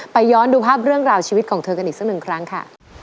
ย้อนดูภาพเรื่องราวชีวิตของเธอกันอีกสักหนึ่งครั้งค่ะ